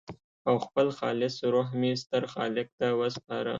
او خپل خالص روح مې ستر خالق ته وسپاره.